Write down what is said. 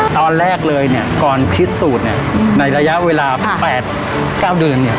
ตอนแรกเลยเนี้ยก่อนคิดสูตรเนี้ยในระยะเวลาแปดเก้าเดือนเนี้ย